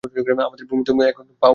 আমাদের তুমি যেমন তেমন পাও নাই।